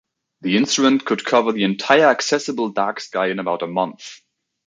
The instrument could cover the entire accessible dark sky in about a month.